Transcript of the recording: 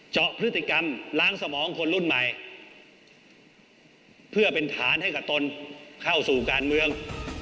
เจาะพฤติกรรมล้างสมองคนรุ่นใหม่เพื่อเป็นฐานให้กับตนเข้าสู่การเมือง